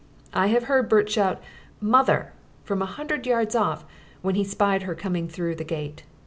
I have heard Bert shout "Mother!" from a hundred yards off, when he spied her coming through the gate.